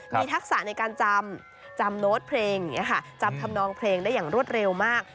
มีทักษะในการจำโน้ตเพลงจำทำนองเพลงได้อย่างรวดเร็วมาก